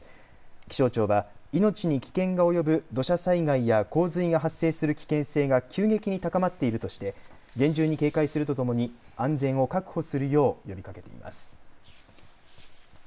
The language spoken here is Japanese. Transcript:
気象庁は命に危険が及ぶ土砂災害や洪水が発生する危険性が急激に高まっているとして厳重に警戒するとともに安全を確保するよう呼びかけています。